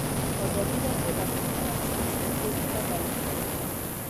ازادي راډیو د اټومي انرژي د ستونزو رېښه بیان کړې.